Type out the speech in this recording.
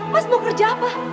mas mau kerja apa